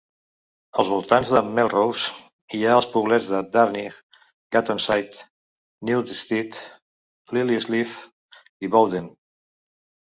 Als voltants de Melrose hi ha els poblets de Darnick, Gattonside, Newstead, Lilliesleaf i Bowden.